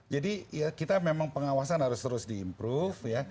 jadi kita memang pengawasan harus terus di improve ya